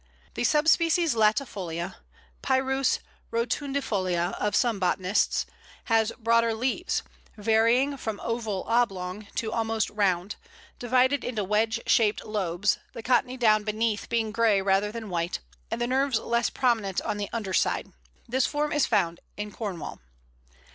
The sub species latifolia (Pyrus rotundifolia of some botanists) has broader leaves, varying from oval oblong to almost round, divided into wedge shaped lobes, the cottony down beneath being grey rather than white, and the nerves less prominent on the underside. This form is found in Cornwall.